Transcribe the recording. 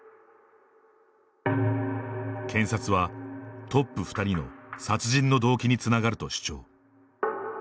検察は、トップ２人の殺人の動機につながると主張。